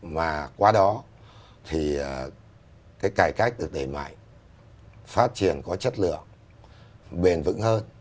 mà qua đó thì cái cải cách được đẩy mạnh phát triển có chất lượng bền vững hơn